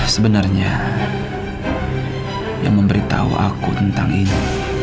sebenarnya yang memberitahu aku tentang ini